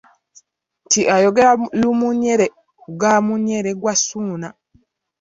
Nti ayogera lumuunyere nga mulere gwa Ssuuna.